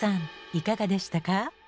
いかがでしたか？